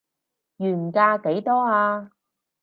原價幾多啊